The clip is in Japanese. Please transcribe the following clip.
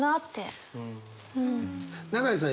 永井さん